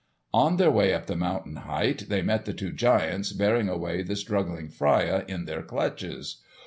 On their way up the mountain height they met the two giants bearing away the struggling Freia in their clutches.